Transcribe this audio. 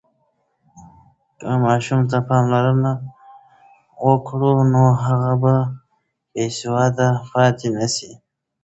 که ماشوم ته پاملرنه وکړو، نو هغه به بېسواده پاتې نه سي.